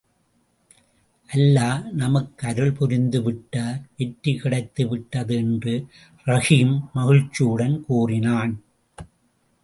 அல்லா நமக்கு அருள் புரிந்துவிட்டார் வெற்றி கிடைத்துவிட்டது என்று ரஹீம் மகிழ்ச்சியுடன் கூறினான்.